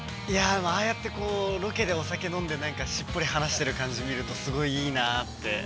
◆ああやって、ロケでお酒飲んで、なんかしっぽり話してる感じを見ると、すごいいいなって。